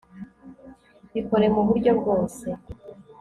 bikore muburyo bwose